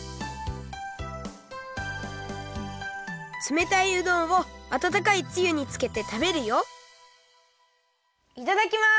つめたいうどんをあたたかいつゆにつけて食べるよいただきます！